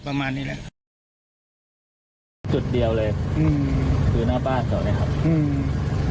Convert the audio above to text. ประมาณนี้แหละครับจุดเดียวเลยอืมคือหน้าบ้านเขาเลยครับอืม